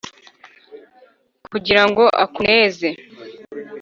kugira ngo akuneze